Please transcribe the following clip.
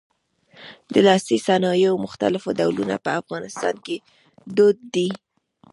د لاسي صنایعو مختلف ډولونه په افغانستان کې دود دي.